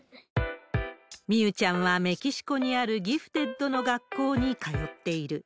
みゆちゃんはメキシコにあるギフテッドの学校に通っている。